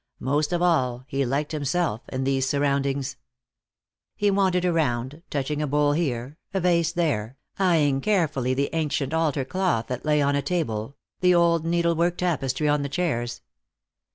Most of all, he liked himself in these surroundings. He wandered around, touching a bowl here, a vase there, eyeing carefully the ancient altar cloth that lay on a table, the old needle work tapestry on the chairs.